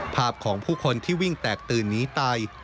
ภาพของผู้คนที่วิ่งแตกตื่นหนีตาย